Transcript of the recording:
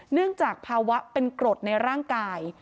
เนื่องจากภาวะเป็นกรดในร่างกาย